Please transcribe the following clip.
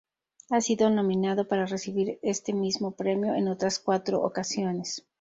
Ha sido nominado para recibir este mismo premio en otras cuatro ocasiones.